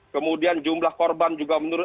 kemudian jumlah korban juga menurun